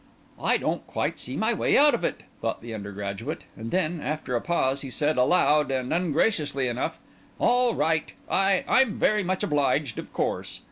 "I don't quite see my way out of it," thought the undergraduate; and then, after a pause, he said, aloud and ungraciously enough, "All right. I—I'm very much obliged, of course."